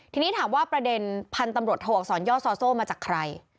ทีนี้ถามว่าประเด็นพันธุ์ตำรวจโทอักษรย่อซอโซ่มาจากใคร